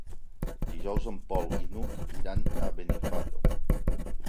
Dijous en Pol i n'Hug iran a Benifato.